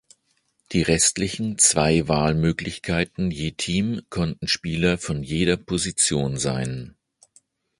Die restlichen zwei Wahlmöglichkeiten je Team konnten Spieler von jeder Position sein.